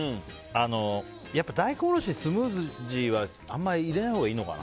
やっぱり大根おろしをスムージーにはあんまり入れないほうがいいのかな。